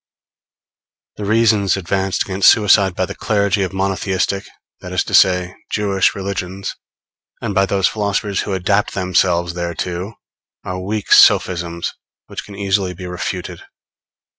] The reasons advanced against suicide by the clergy of monotheistic, that is to say, Jewish religions, and by those philosophers who adapt themselves thereto, are weak sophisms which can easily be refuted.